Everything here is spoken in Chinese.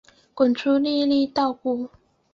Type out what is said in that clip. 滚出粒粒稻谷